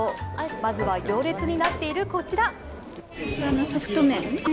まずは行列になっているこちら。